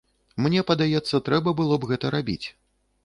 Мне падаецца, трэба было б гэта рабіць.